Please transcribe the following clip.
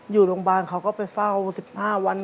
อยู่โรงพยาบาลเขาก็ไปเฝ้า๑๕วัน